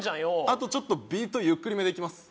あとちょっとビートゆっくりめでいきます